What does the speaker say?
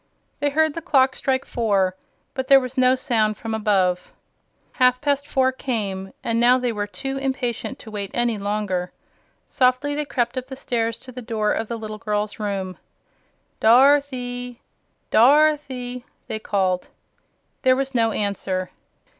They heard the clock strike four but there was no sound from above. Half past four came, and now they were too impatient to wait any longer. Softly, they crept up the stairs to the door of the little girl's room. "Dorothy! Dorothy!" they called. There was no answer.